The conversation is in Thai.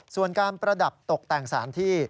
ส่วนการประดับตกแต่งสถานที่